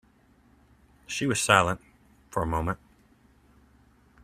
She was silent for a moment.